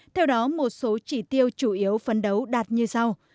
theo đó một số chỉ tiêu chủ yếu phấn đấu đạt như sau